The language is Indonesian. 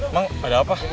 emang ada apa